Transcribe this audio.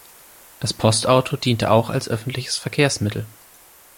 Das Postauto diente auch als öffentliches Verkehrsmittel.